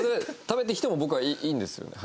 食べてきても僕はいいんですよ。